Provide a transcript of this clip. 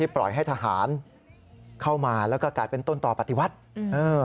ปล่อยให้ทหารเข้ามาแล้วก็กลายเป็นต้นต่อปฏิวัติเออ